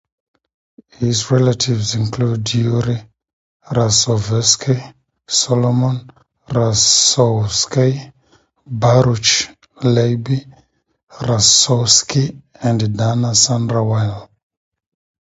His relatives include Yuri Rasovsky, Solomon Rosowsky, Baruch Leib Rosowsky and Dana Sandra Wile.